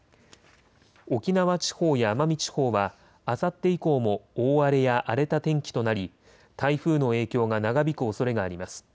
沖縄地方や奄美地方はあさって以降も大荒れや荒れた天気となり台風の影響が長引くおそれがあります。